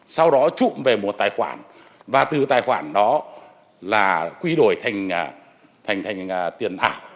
sau đó trụm về một tài khoản và từ tài khoản đó là quy đổi thành tiền ảo